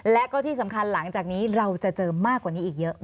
และก็ที่สำคัญหลังจากนี้เราจะเจอมากกว่านี้อีกเยอะ